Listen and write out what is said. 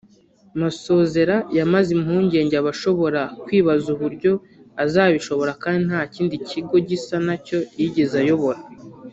Masozera yamaze impungenge abashobora kwibaza uburyo azabishobora kandi nta kindi kigo gisa na cyo yigeze ayobora